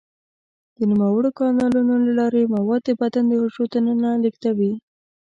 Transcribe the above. د نوموړو کانالونو له لارې مواد د بدن د حجرو دننه لیږدوي.